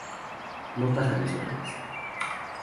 Notas adicionales